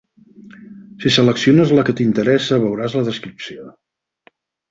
Si selecciones la que t'interessa veuràs la descripció.